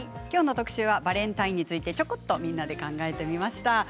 きょうの特集はバレンタインについてチョコっとみんなで考えてみました。